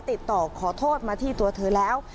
ติดต่อขอโทษมาที่ตัวเธอแล้ว